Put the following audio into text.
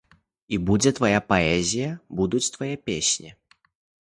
І будзе твая паэзія, будуць твае песні.